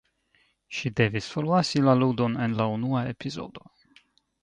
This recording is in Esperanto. Ŝi devis forlasi la ludon en la unua epizodo.